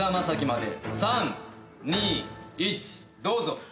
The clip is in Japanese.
３２１どうぞ。